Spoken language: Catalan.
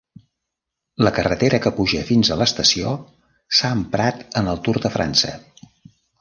La carretera que puja fins a l'estació s'ha emprat en el Tour de França.